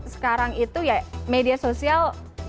sekarang itu ya media sosial